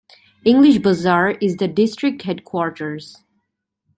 English Bazar is the district headquarters.